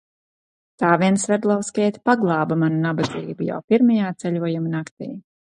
Tā vien sverdlovskiete paglāba manu nabadzību jau pirmajā ceļojuma naktī.